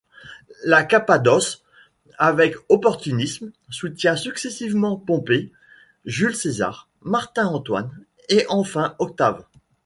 La Cappadoce, avec opportunisme, soutient successivement Pompée, Jules César, Marc Antoine et enfin Octave.